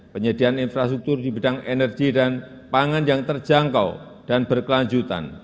penyediaan infrastruktur di bidang energi dan pangan yang terjangkau dan berkelanjutan